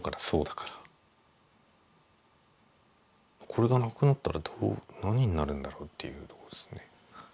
これがなくなったら何になるんだろうっていうとこですね。